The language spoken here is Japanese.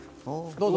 どうぞ。